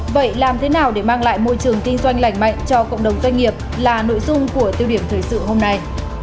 vậy làm thế nào để mang lại môi trường kinh doanh lành mạnh cho cộng đồng doanh nghiệp là nội dung của tiêu điểm thời sự hôm nay